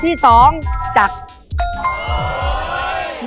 มีใจได้ขอกับเบอร์